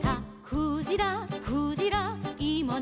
「クジラクジラいまなんじ」